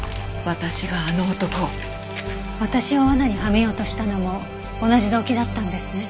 私を罠にはめようとしたのも同じ動機だったんですね。